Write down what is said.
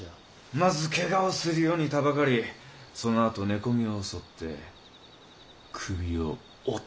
・まずけがをするようにたばかりそのあと寝込みを襲って首を折ってしまうのはどうじゃ。